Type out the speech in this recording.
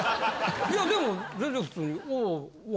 いやでも全然普通に。